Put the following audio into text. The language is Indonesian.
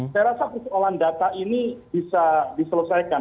saya rasa persoalan data ini bisa diselesaikan